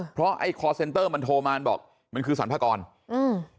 เพราะไอ้คอร์เซ็นเตอร์มันโทรมาบอกมันคือสรรพากรอืม